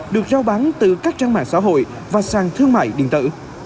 được giao bán từ các trang mạng xã hội và sang thương mại điện tử